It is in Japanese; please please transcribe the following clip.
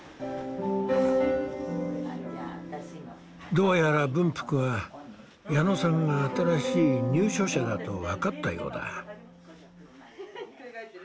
どうやら文福は矢野さんが新しい入所者だと分かったようだ。